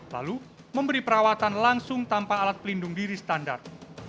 lalu memberi perawatan langsung tanpa alat pelindung diri standar